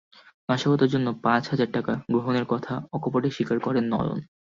নাশকতার জন্য পাঁচ হাজার টাকা গ্রহণের কথা অকপটে স্বীকার করেন নয়ন।